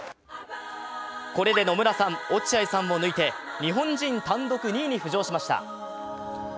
これで野村さん、落合さんも抜いて日本人単独２位に浮上しました。